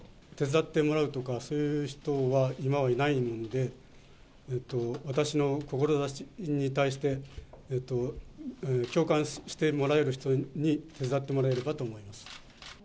手伝ってもらうとか、そういう人は今はいないので、私の志に対して、共感してもらえる人に手伝ってもらえればと思います。